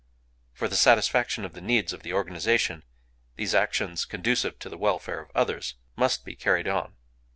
For the satisfaction of the needs of the organization, these actions, conducive to the welfare of others, must be carried on...